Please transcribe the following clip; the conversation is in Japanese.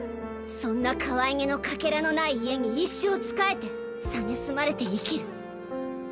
そんなかわいげのかけらのない家に一生仕えて蔑まれて生きる。